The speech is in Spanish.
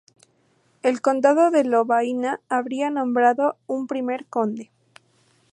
El condado de Lovaina habría nombrado un primer conde.